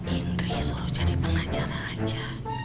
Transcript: indri suruh jadi pengacara aja